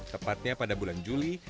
tepatnya pada bulan juli